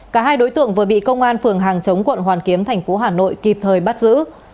cả hai đối tượng vừa bị công an phường hàng chống quận hoàn kiếm thành phố hà nội kịp thời bắt giữ